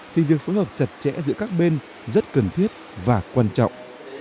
thì việc phối hợp chặt chẽ giữa các bên rất cần thiết và quan trọng